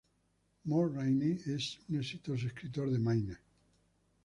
Mort Rainey es un exitoso escritor de Maine.